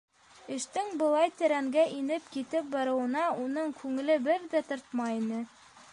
Эштең былай тәрәнгә инеп китеп барыуына уның күңеле бер ҙә тартмай ине.